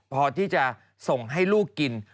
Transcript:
พอที่จะส่งให้ลูกกิน